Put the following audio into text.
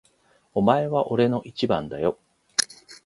お前は俺の一番だよ。